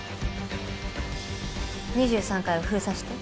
２３階を封鎖して。